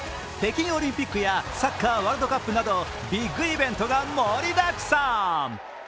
北京オリンピックやサッカーワールドカップなどビッグイベントが盛りだくさん。